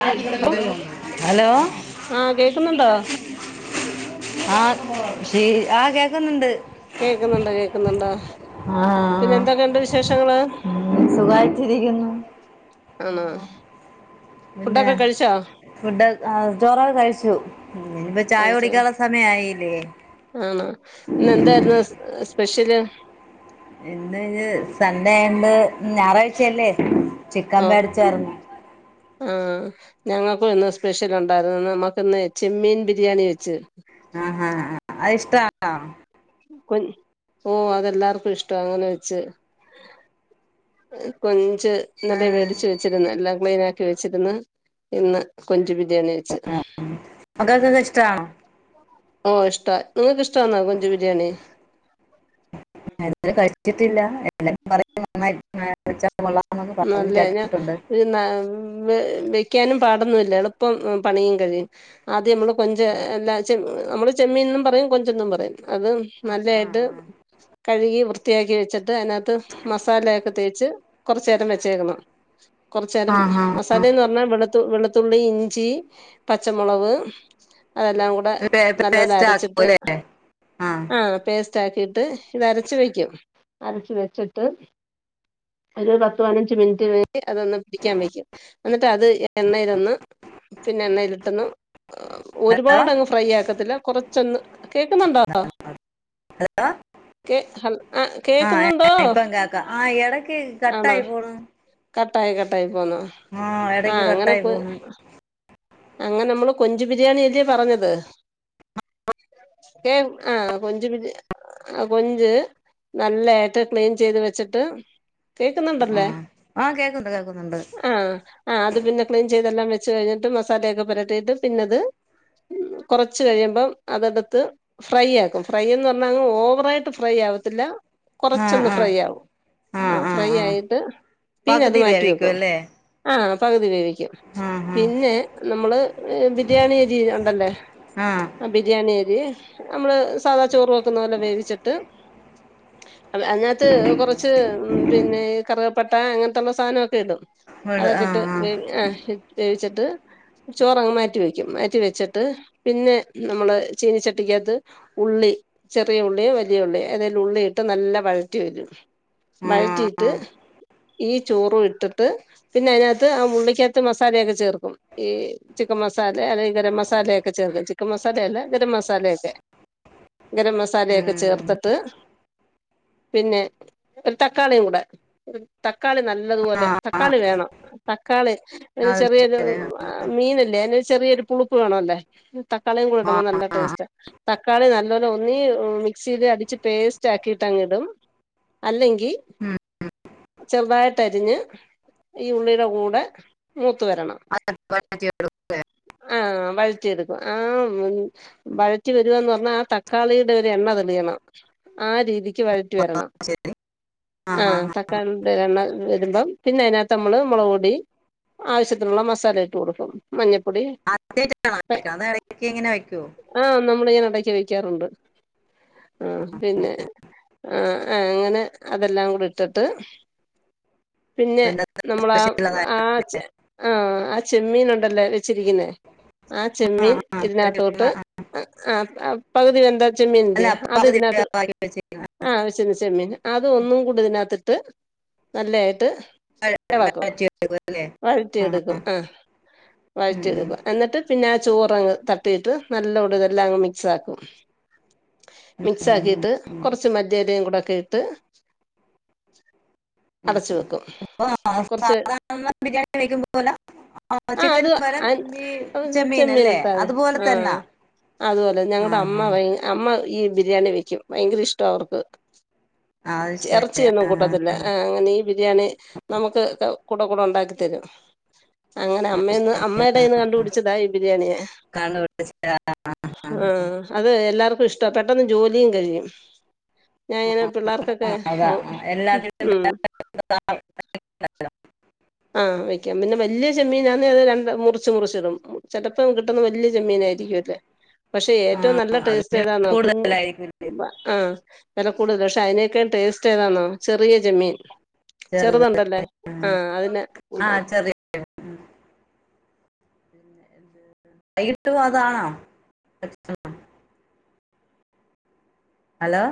[unintelligible] Hello ആ കേക്കുന്നുണ്ടോ ആ ശീ ആ കേക്കുന്നുണ്ട് കേക്കുന്നുണ്ട് കേക്കുന്നുണ്ടോ പിന്നെ ആഹ് എന്തൊക്കെയുണ്ട് വിശേഷങ്ങള് ഉം സുഖായിട്ടിരിക്കുന്നു ആണ പിന്നെ ഫുഡ് ആ ചോറക്കെ കഴിച്ചു ഇനിയിപ്പ ചായ കഴിച്ച കുടിക്കാനുള്ള സമയായില്ലേ ആണോ ഇന്ന എന്തായിരുന്നു സ് സ് സ്പെഷ്യല് ഇന്ന് സൺഡേ ആണ്ട് ഞായറാഴ്ചയല്ലേ ചിക്കൻ മേടിച്ചാരന്നു ആ ഞങ്ങക്കും ഇന്ന് സ്പെഷ്യൽ ഒണ്ടായിരുന്നു നമ്മുക്ക് ഇന്ന് ചെമ്മീൻ ബിരിയാണി വെച്ച് ആഹാ അത് ഇഷ്ട്ടാണോ കൊഞ് ഓ അതെല്ലാർക്കും ഇഷ്ട അങ്ങനെ വെച്ച് കൊ ഞ്ച് ഇന്നലെ ആഹ് മേടിച്ച് വച്ചിരുന്ന് എല്ലാം ക്ലീന വെച്ചിരുന്ന് ഇന്ന് കൊഞ്ച് ബി ആ മക്കക്കൊക്കെ ഇഷ്ടാണോ ഓ ഇഷ്ട നിങ്ങക്ക് ഇഷ് ട്ടാന്നോ കൊഞ്ച് ബിരിയാണി [unintelligible] എത്തീട്ടില്ല [unintelligible] മല്ലേ ഞാൻ ന വെക്കാനും പാടൊന്നു ഇ ല്ല എളുപ്പം പണിയും കഴിയും ആദ്യം അമ്മള് കൊഞ്ച് [unintelligible] നമ്മള് ചെമ്മീൻന്നും പറയും കൊഞ്ചന്നും പറയും അത് നല്ലേയിട്ട് കഴുകി വൃത്തിയാക്കി വെച്ചിട്ട് അതിനത്ത് മസാലയൊക്കെ തേച്ച് കൊറച്ച് നേരം വെച്ചേക്കണം കൊറച്ച് നേരം ആഹ് ആഹ് മസാലേന്ന് പറഞ്ഞാ വെള് ത്ത് വെളുത്തുള്ളി ഇഞ്ചി പച്ചമുളവ് അതെല്ലാം കൂടെ പേ നല്ലപോലെ പേസ്റ്റ് അരച്ചിട്ട് ആക്കൂല്ലേ ആ പേസ്റ്റാക്കിട്ട് ഇതരച്ച് വെയ്ക്കും അരച്ചു വെച്ചിട്ട് ഒരു പത്ത് പതിനഞ്ച് മിനിറ്റ് [unintelligible] അതൊന്ന് പിടിക്കാൻ വെക്കും എന്നിട്ട് അത് എണ്ണേലൊന്ന് പിന്നെ എണ്ണേലിട്ടൊന്ന് ഹലോ ഒരുപാടങ്ങ് ഫ്രൈ ആക്കത്തില്ല കൊറ ചെന്ന് കേക്കുന്നുണ്ടോ ഹലോ കേ ഹല ആഹ് ഇപ്പൊ കേക്ക ആഹ് എട ക്ക്‌ കട്ട്‌ ആണോ ആയി പോണ് കട്ടായി കട്ടായി പോന്നോ ആ എടക്ക് ആഹ് അങ്ങനെ കട്ടായി പോ പോണ് അങ്ങനെ നമ്മള് കൊഞ്ച് ബിരിയാണിയല്ലെ പറഞ്ഞത്. ക്കെ ആഹ് കൊഞ്ച് ബിരി ആ കൊഞ്ച് നല്ലേയിട്ട് ക്ലീൻ ചെയ്ത് വെച്ചിട്ട് ആ കേൾക്കുന്നുണ്ടല്ലേ ആ കേക്കുന്നുണ്ട് കേക്കുന്നുണ്ട് ആഹ് ആഹ് അത് പിന്നെ ക്ലീൻ ചെയ്തെല്ലാം വെ ച്ച് കയിഞ്ഞിട്ട് മ സാലയൊക്കെ പുരട്ടിയിട്ട് പിന്നത് കൊറച്ച് കഴിയുമ്പം അതെട്ത്ത് ഫ്രൈ ആക്കും ഫ്രൈന്ന് പറഞ്ഞാ അങ്ങ് ഓവറായിട്ട് ഫ്രൈ ആവത്തില്ല ആ കൊറച്ചൊന്ന് ആ ഫ്രൈ ആവും ആ ആഹ് ആ ഫ്രൈ ആ ആയിട്ട് പിന്നത് പകുതി വേവിക്കും മാറ്റിവെക്കും അല്ലേ ആഹ പക് തി വേവി ക്കും ആ ആ പിന്നെ അമ്മള് ബിരിയാണിരി അരി ഉണ്ടല്ലേ ആ ബിരിയാണി അരി അമ്മള് സാധാ ചോറ് വെക്കുന്ന പോലെ വേവിച്ചിട്ട് അതി അതിനകത്ത് കൊറച്ച് പിന്നെ കറുക പ്പട്ട അങ്ങൻത്തുള്ള സാനൊക്കെ ടും വിട് ആ അതൊക്കെ ട്ട് വേവ് ആ വേവിച്ചിട്ട് ചോറങ്ങ് മാറ്റി വെക്കും മാറ്റി വെച്ചിട്ട് പിന്നെ നമ്മള് ചീന ചട്ടിക്കകത്ത് ഉള്ളി ചെറിയ ഉള്ളിയോ വലിയ ഉള്ളിയോ ഏതേലും ഉള്ളി ഇട്ട് നല്ല വഴറ്റി വരും ആ ആ വഴറ്റിയിട്ട് ഈ ചോറു ഇട്ടിട്ട് പിന്നെ അയ്നകത്ത് ആ ഉള്ളിക്കകത്ത് മസാലെക്കെ ചേർക്കും ഈ ചിക്കൻ മസാലെ അല്ലെങ്കിൽ ഗരം മസാലെക്കെ ചേർക്കും ചിക്കൻ മസാലയല്ല ഗരം മസാലെക്കെ ഗരം മസാലെക്കെ ഉം. ചേർത്ത്ട്ട് പിന്നെ ഒരു തക്കാളിം കൂടെ തക്കാളി ആ നല്ലതുപോലെ ആ തക്കാളി വേണം തക്കാളി ഒര് അത് ചെറിയൊര് ശരി ആഹ് മീനല്ലേ അതിന് ചെറിയൊരു പുളുപ്പ് വേണല്ലേ തക്കാളിം കൂടെ ആ ആ ഇടുംബം നല്ല ആ ടേസ്റ്റ. തക്കാളി നല്ലൊലു ഒന്നങ്കി മിക്സില് അടിച്ച് പേസ്റ്റാക്കിട്ട് അങ്ങ് ടും അല്ലെങ്കി ഉം. ചെറ്തായിട്ടരിഞ്ഞ് ഈ ഉള്ളിടെ കൂടെ മൂ ത്ത് വരണം. [inaudible] ആ വഴറ്റിെയെടുക്കും ആ വഴറ്റി വരുവാന്ന് പറഞ്ഞാ ആ തക്കാളിയുടെ ഒരു എണ്ണ തെളിയണം ആ രീതിക്ക് വഴ റ്റി വെരണം ശരി ആ തക്കാളി [unintelligible] വെരുമ്പം പിന്നെ അതിനകത്ത് നമ്മള് മൊളക് പൊടി ആവശ്യത്തിനുള്ള മസാല ഇട ട്ട് കൊടുക്കും മഞ്ഞപ്പൊടി [inaudible] ങ്ങനെ വെയ്ക്കോ ടക്ക്‌ വെക്കാറുണ്ട്. ആ പിന്നെ ആ ആ അങ്ങനെ അതെല്ലാം കുടിട്ടിട്ട് പിന്നെ എന്താ നമ്മളാ സ്പെഷ്യൽ അതാ ആ ചെ ആഹ് ചെമ്മീൻ ഉണ്ടല്ലേ വെച്ചിരിക്കുന്നേ ആ ചെമ്മീൻ ആഹ് ഇതിനത്തോട്ട് ആഹ് ആ ആ അ പകുതി വെന്ത ച്ചെമ്മീൻ അല്ല ഇല്ലേ അത് പകുതി ഇതിനകത്ത് വേവാക്കി വെച്ചേക്കണ് ആ വെച്ചിന്ന ച്ചെമ്മീൻ അത് ഒന്നും കൂടി ഇതിനകത്തിട്ട് നല്ലെ ആയി [unintelligible] വഴറ്റിയെടുക്കുവല്ലേ വഴറ്റി എടുക്കും ആഹ്. ഉം ഉം വഴറ്റിയെടുക്കും എന്നിട്ട് പിന്നെ ആ ചോറങ്ങ് തട്ടിയിട്ട് നല്ലോട് ഇതെല്ലാം അങ്ങ് മിക്സ് ആക്കും മിക്സ് ആക്കിട്ട് കുറച്ച് മല്ലിയിലയും കുടൊക്കെ ഇട്ട് ഉമ് അടച്ചു ഉമ് വെക്കും ഇപ്പ കുറച്ച് സാധാരണ ബിരിയാണി കഴിക്കുമ്പോല ആ അത് ആ ചെമ്മീൻ അല്ലേ ചെമ്മീനിട്ടാതി അതുപോലെ ആ തന്നാ അതുപോലെ ഞങ്ങളുടെ ആഹ് അമ്മ ആഹ് വ് അമ്മ ഈ ബിരിയാണി വെക്കും ഭയങ്കര ഇഷ്ട അവർക്ക്. അത് ശരി ഇറച്ചിയൊന്നും ആഹ് കൂട്ടത്തില്ല ആ അങ്ങനെ ഈ ബിരിയാണി നമുക്ക് കൂടെ കൂടെ ഉണ്ടാക്കി തരും. അങ്ങനെ അമ്മേന്ന് അമ്മയുടെ കൈയ്യിന്ന് കണ്ടുപിടിച്ചതായി ബിരിയാണിയാ. കണ്ടുപിടിച്ച് ആഹ് അത് എല്ലാർക്കും ഇഷ്ട്ട പെട്ടെന്ന് ജോലിയും കഴിയും ഞാൻ ഇങ്ങനെ പിള്ളേർക്കൊക്കെ ആഹ് അതാ മോ എല്ലാത്തിനും ഉം. ആ വെയ്ക്കാം പിന്നെ വലിയ ചെമ്മീനാന്നെ അത് ര മുറിച്ച് മുറിച്ച്ടും. ചിലപ്പം കിട്ടുന്ന വലിയ ചെമ്മീനായിരിക്കുംല്ലേ പക്ഷെ ഏറ്റവും നല്ല ആഹ് ടേസ്റ്റ് അതിന് ഏതാന്നോ കുഞ്ഞ് കൂടുതലായിരിക്കും ആ വെല കൂടുതല പക്ഷെ അതിനേക്കാ ടേസ്റ്റ് ഏതാന്നോ ചെറിയചെമ്മീൻ ചെറുത് ചെറുണ്ടല്ലേ ആ അതിനെ ആഹ് ചെറിയ വൈകിട്ടു അതാണോ [unintelligible] ഹലോ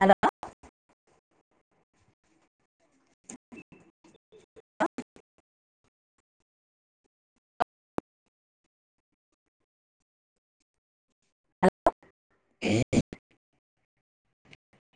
ഹലോ ഹലോ